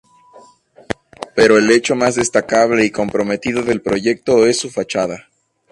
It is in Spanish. Pero el hecho más destacable y comprometido del proyecto es su fachada.